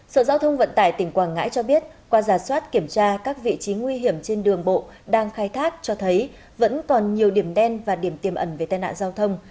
sở giao thông vận tải tỉnh quảng ngãi cho biết qua giả soát kiểm tra các vị trí nguy hiểm trên đường bộ đang khai thác cho thấy vẫn còn nhiều điểm đen và điểm tiềm ẩn về tai nạn giao thông